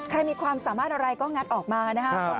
มีความสามารถอะไรก็งัดออกมานะครับ